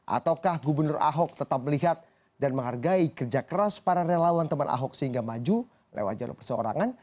ataukah gubernur ahok tetap melihat dan menghargai kerja keras para relawan teman ahok sehingga maju lewat jalur perseorangan